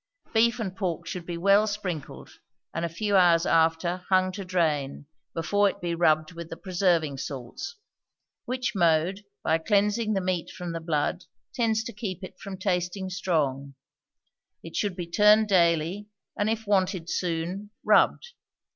Beef and pork should be well sprinkled, and a few hours after hung to drain, before it be rubbed with the preserving salts; which mode, by cleansing the meat from the blood, tends to keep it from tasting strong; it should be turned daily, and, if wanted soon, rubbed.